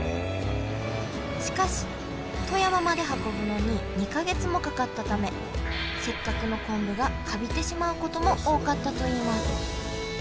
しかし富山まで運ぶのに２か月もかかったためせっかくの昆布がカビてしまうことも多かったといいます。